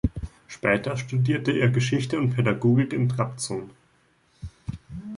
Später studierte er Geschichte und Pädagogik in Trabzon.